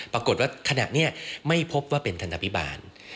ปรากฏว่าขนาดนี้ไม่พบว่าเป็นทันตาพิบาล